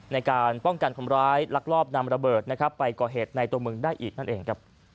ในการป้องกันความร้ายลักลอบนำระเบิดไปก่อเหตุในตัวเมืองได้อีก